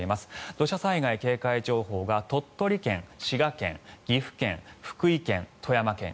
土砂災害警戒情報が鳥取県、滋賀県、岐阜県福井県、富山県。